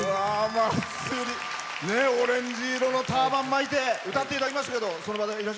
オレンジ色のターバン巻いて歌っていただきましたけど。